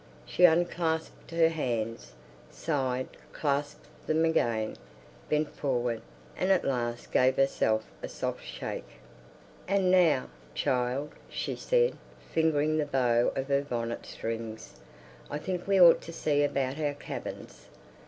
She unclasped her hands, sighed, clasped them again, bent forward, and at last gave herself a soft shake. "And now, child," she said, fingering the bow of her bonnet strings, "I think we ought to see about our cabins.